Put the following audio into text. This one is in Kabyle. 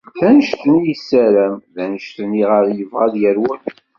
D annect-n i yessaram, d annect-n i ɣer i yebɣa ad yerwel.